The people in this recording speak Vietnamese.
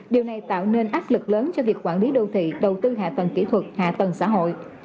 điều này tạo nên áp lực lớn cho việc quản lý đô thị đầu tư hạ tầng kỹ thuật hạ tầng xã hội